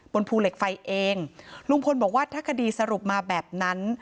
บนภูเหล็กไฟเองลุงพลบอกว่าถ้าคดีสรุปมาแบบนั้น